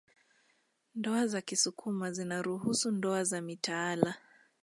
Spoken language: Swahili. Ndoa za kisukuma zinaruhusu ndoa za mitaala